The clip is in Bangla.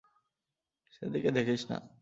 সেদিকে দেখিস না!